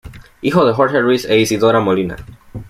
Hijo de Jorge Ruiz e Isidora Molina.